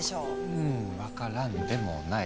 うん分からんでもない。